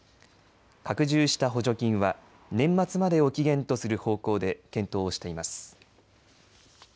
拡充した補助金は年末までを期限とする方向で検討をしています。